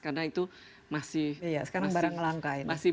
karena itu masih